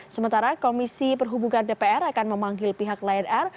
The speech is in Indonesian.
sementara komisi perhubungan dpr akan memanggil pihak lion air